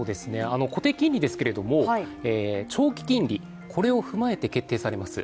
固定金利ですが、長期金利を踏まえて決定されます。